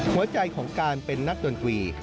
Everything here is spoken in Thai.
หัวใจของการเป็นนักดนตรี